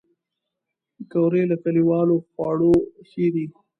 پکورې له کلیوالي خواړو ښې دي